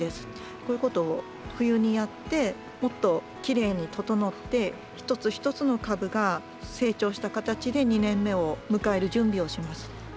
こういうことを冬にやってもっときれいに整って一つ一つの株が成長した形で２年目を迎える準備をします。